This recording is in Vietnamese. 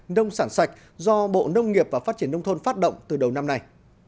nông sản sạch do bộ nông nghiệp và phát triển nông thôn phát động từ đầu năm nay